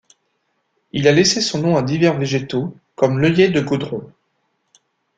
Il a laissé son nom à divers végétaux, comme l'œillet de Godron.